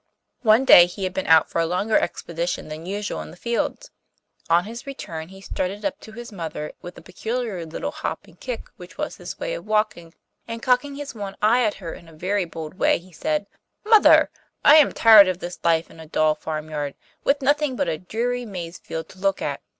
One day he had been out for a longer expedition than usual in the fields. On his return he strutted up to his mother with the peculiar little hop and kick which was his way of walking, and cocking his one eye at her in a very bold way he said: 'Mother, I am tired of this life in a dull farmyard, with nothing but a dreary maize field to look at.